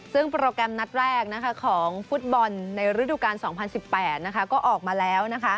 ซึ่งโปรแกรมนัดแรกของฟุตบอลในฤดูกาล๒๐๑๘ก็ออกมาแล้ว